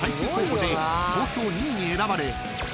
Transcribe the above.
［投票２位に選ばれ］